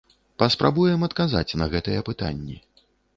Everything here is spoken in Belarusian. Паспрабуем адказаць на гэтыя пытанні.